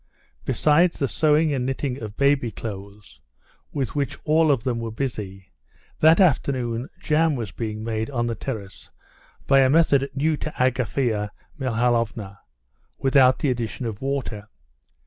Besides the sewing and knitting of baby clothes, with which all of them were busy, that afternoon jam was being made on the terrace by a method new to Agafea Mihalovna, without the addition of water.